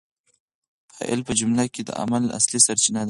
فاعل په جمله کي د عمل اصلي سرچینه ده.